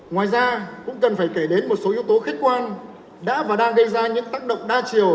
ngoài ra cũng cần phải kể đến một số yếu tố khách quan đã và đang gây ra những tác động đa chiều